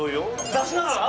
出しながら？